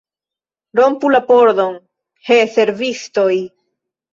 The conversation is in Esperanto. Rompu la pordon, he, servistoj!